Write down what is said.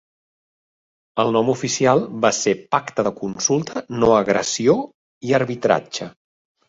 El nom oficial va ser "Pacte de consulta, no agressió i arbitratge".